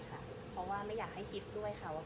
เพราะว่าไม่อยากให้คิดด้วยค่ะว่า